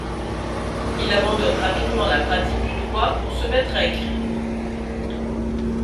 Il abandonne rapidement la pratique du droit pour se mettre à écrire.